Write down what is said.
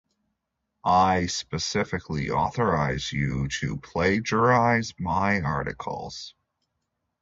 I specifically authorize you to plagiarize my articles.